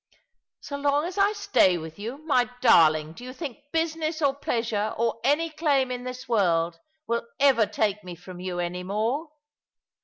" So long as I stay with you ! My darling, do you think business or pleasure, or any claim in this world, will ever take me from you any more